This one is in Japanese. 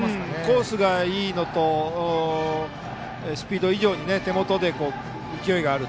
コースがいいのとスピード以上に手元で勢いがある。